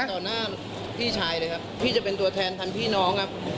ต่อหน้าพี่ชายเลยครับพี่จะเป็นตัวแทนทันพี่น้องครับ